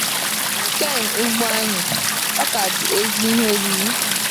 Ken Ugwuanyị: Ọka bụ ezi ihe oriri